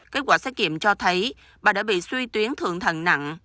kết quả xét kiểm cho thấy bà đã bị suy tuyến thượng thận nặng